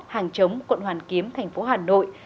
hàng chống quận hoàn kiếm thành phố hà nội